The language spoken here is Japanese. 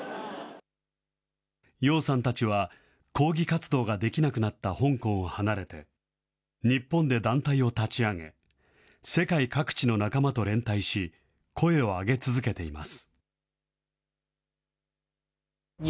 葉さんたちは、抗議活動ができなくなった香港を離れて、日本で団体を立ち上げ、世界各地の仲間と連帯し、声を上げ続けています。